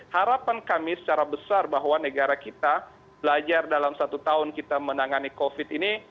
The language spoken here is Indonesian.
harapan kami secara besar bahwa negara kita belajar dalam satu tahun kita menangani covid ini